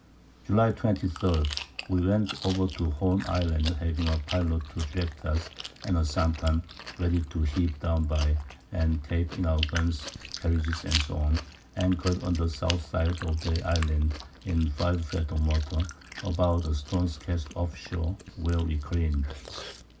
July 23. We went over to Horn Island, having a Pilot to direct us, and a Sampan ready to heave down by, and take in our Guns, Carriages, &c. anchor'd on the South side of the Island, in 5 Fathom Water, about a Stone's Cast off Shore, where we careen'd.